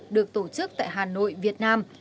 được tổ chức tại hà nội việt nam